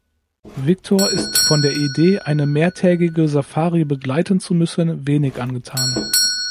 Victor ist von der Idee, eine mehrtägige Safari begleiten zu müssen, wenig angetan.